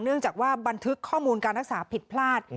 เนื่องจากว่าบันทึกข้อมูลการรักษาผิดพลาด